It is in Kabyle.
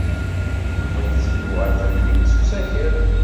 Yuba yetteddu ɣer temdint s usakal.